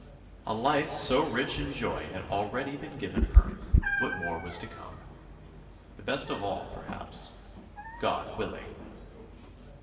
A life so rich in joy had already been given her ; what more was to come ? The best of all perhaps —" God willing!